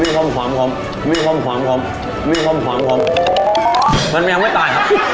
มีขมขอมขมมีขมขอมขมมีขมขอมขมมันยังไม่ตายครับ